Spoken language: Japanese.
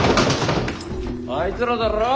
あいつらだろ？